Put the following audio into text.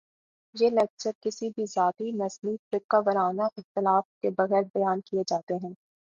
یہ لیکچرز کسی بھی ذاتی ، نسلی ، فرقہ ورانہ اختلاف کے بغیر بیان کیے جاتے ہیں